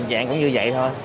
tình trạng cũng như vậy thôi